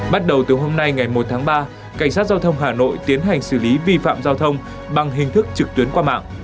bắt đầu từ hôm nay ngày một tháng ba cảnh sát giao thông hà nội tiến hành xử lý vi phạm giao thông bằng hình thức trực tuyến qua mạng